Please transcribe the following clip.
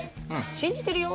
信じてるよ。